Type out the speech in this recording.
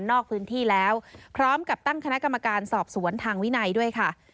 นอกพื้นที่แล้วพร้อมกับตั้งคณะกรรมการสอบสวนทางวินัยด้วยค่ะ